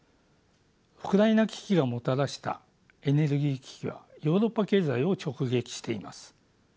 ウクライナ危機がもたらしたエネルギー危機はヨーロッパ経済を直撃しています。